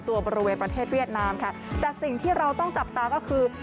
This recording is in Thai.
บริเวณประเทศเวียดนามค่ะแต่สิ่งที่เราต้องจับตาก็คือ